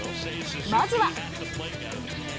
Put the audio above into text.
まずは。